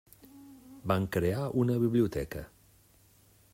Van crear una biblioteca.